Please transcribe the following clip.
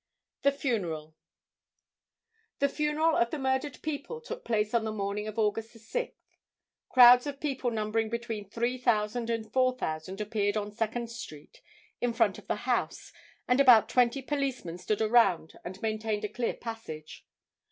The Funeral. The funeral of the murdered people took place on the morning of August 6th. Crowds of people numbering between 3000 and 4000 appeared on Second street in front of the house, and about twenty policemen stood around and maintained a clear passage.